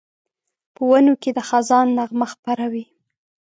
په ونو کې د خزان نغمه خپره وي